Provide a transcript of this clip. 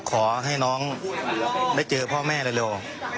ขอให้น้องได้เจอพ่อแม่เร็ว